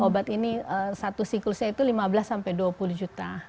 obat ini satu siklusnya itu lima belas sampai dua puluh juta